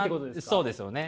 そうですよね。